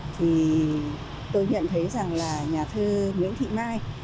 thì tôi nhận thấy rằng là nhà thơ nguyễn thị mai